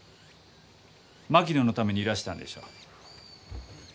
槙野のためにいらしたんでしょう？